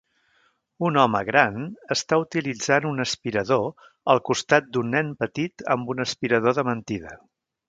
Un home gran està utilitzant un aspirador al costat d'un nen petit amb un aspirador de mentida.